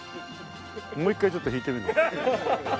もう一回ちょっと引いてみる？